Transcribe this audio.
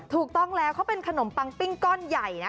ถูกต้องแล้วเขาเป็นขนมปังปิ้งก้อนใหญ่นะ